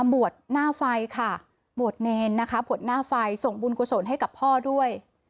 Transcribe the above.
บวชหน้าไฟค่ะบวชเนรนะคะบวชหน้าไฟส่งบุญกุศลให้กับพ่อด้วย